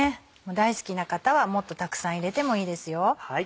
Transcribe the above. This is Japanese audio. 大好きな方はもっとたくさん入れてもいいですよ。